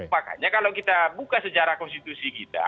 makanya kalau kita buka sejarah konstitusi kita